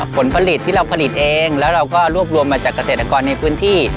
ผลผลิตที่เราผลิตเองแล้วเราก็รวบรวมมาจากเกษตรกรในพื้นที่